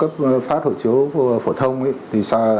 phát hộ chiếu phổ thông ấy